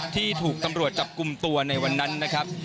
ที่ถูกตำรวจจับกลุ่มตัวในวันนั้นนะครับ